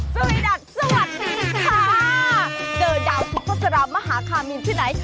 สวัสดีค่ะเดอร์ดาวทุกภาษารามหาคามีนที่ไหน